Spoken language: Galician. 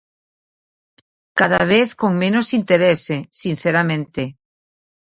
Cada vez con menos interese, sinceramente.